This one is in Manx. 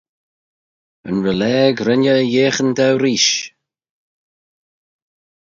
Yn Rollage ren eh y yeeaghyn daue reesht.